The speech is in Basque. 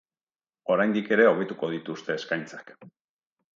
Oraindik ere hobetuko dituzte eskaintzak.